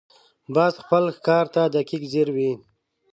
باز خپل ښکار ته دقیق ځیر وي